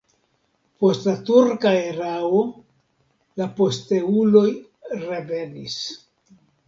Post la turka erao la posteuloj revenis.